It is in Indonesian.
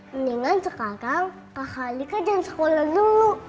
mendingan sekarang kakak alika jalan sekolah dulu